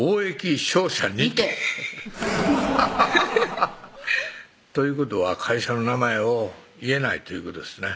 ハハハハハッということは会社の名前を言えないということですね